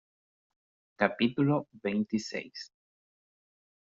capítulo veintiséis.